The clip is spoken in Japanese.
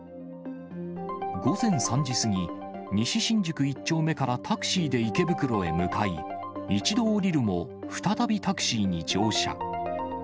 午前３時過ぎ、西新宿１丁目からタクシーで池袋へ向かい、一度降りるも、再びタクシーに乗車。